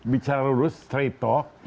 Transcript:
bicara lurus straight talk